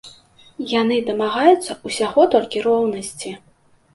Яны дамагаюцца ўсяго толькі роўнасці.